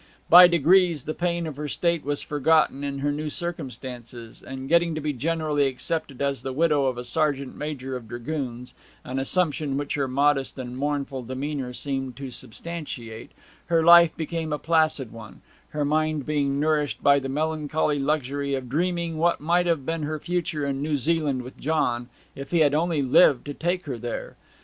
By degrees the pain of her state was forgotten in her new circumstances, and getting to be generally accepted as the widow of a sergeant major of dragoons an assumption which her modest and mournful demeanour seemed to substantiate her life became a placid one, her mind being nourished by the melancholy luxury of dreaming what might have been her future in New Zealand with John, if he had only lived to take her there.